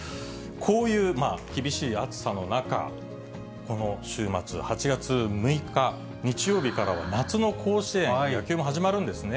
こういう厳しい暑さの中、この週末、８月６日日曜日からは夏の甲子園、野球も始まるんですね。